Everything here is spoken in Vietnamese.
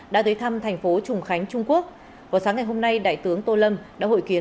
đã tới thăm thành phố trùng khánh trung quốc vào sáng ngày hôm nay đại tướng tô lâm đã hội kiến